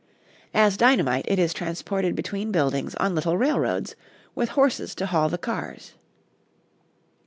As dynamite it is transported between buildings on little railroads, with horses to haul the cars.